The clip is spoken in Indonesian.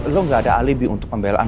lo gak ada alibi untuk pembelaan